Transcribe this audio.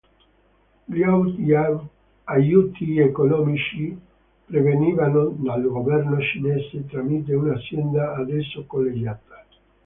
Gli aiuti economici provenivano dal governo cinese tramite una azienda ad esso collegata.